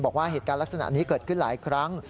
บอกว่าเหตุการณ์ลักษณะนี้เกิดขึ้นหลายครั้ง